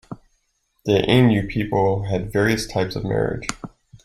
The Ainu people had various types of marriage.